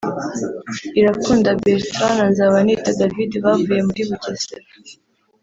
Iradukunda Bertrand na Nzabanita David bavuye muri Bugesera